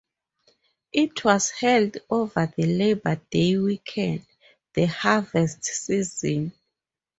It was held over the Labour Day Weekend, the harvest season.